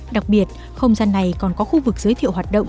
đặc biệt không gian này còn có khu vực giới thiệu hoạt động